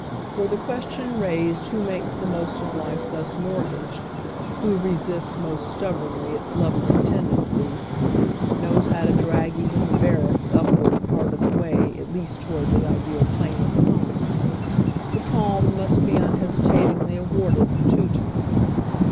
"Were the qneation raised who makes the most of life thus mortgaged, who resists most stubbornly its levelling tendency — knows how to drag even the barracks upward a part of the way at least toward the ideal plane of the home — the palm mnst be unhesitatingly awarded the Teuton.